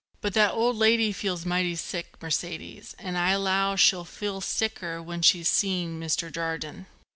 But that old lady feels mighty sick, Mercedes, and I allow she'll feel sicker when she's seen Mr. Jardine.